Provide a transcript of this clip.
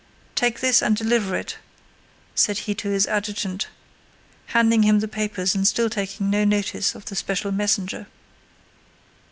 "Take this and deliver it," said he to his adjutant, handing him the papers and still taking no notice of the special messenger.